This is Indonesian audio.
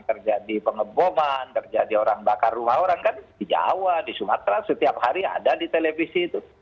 terjadi pengeboman terjadi orang bakar rumah orang kan di jawa di sumatera setiap hari ada di televisi itu